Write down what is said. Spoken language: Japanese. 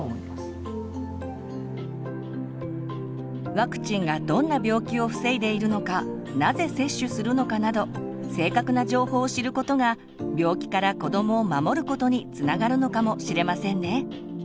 ワクチンがどんな病気を防いでいるのかなぜ接種するのかなど正確な情報を知ることが病気から子どもを守ることにつながるのかもしれませんね。